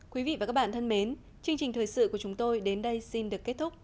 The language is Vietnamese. quý vị và các bạn thân mến chương trình thời sự của chúng tôi đến đây xin được kết thúc